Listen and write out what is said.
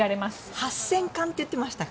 ８０００貫って言ってましたっけ？